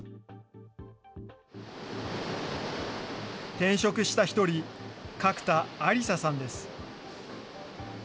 転職した一人、角田亜理紗さんです。